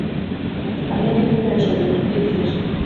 hamwe nibikoresho bigukikije